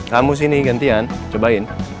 kamu sini gantian cobain